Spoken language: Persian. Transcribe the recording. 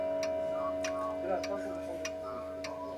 داد کسی را بلند کردن